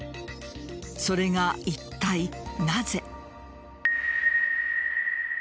それが、いったいなぜ。